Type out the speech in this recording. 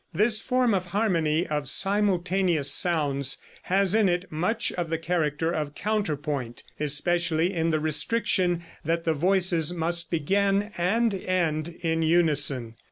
This form of the harmony of simultaneous sounds has in it much of the character of counterpoint, especially in the restriction that the voices must begin and end in unison.